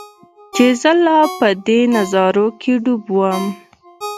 چې زۀ لا پۀ دې نظارو کښې ډوب ووم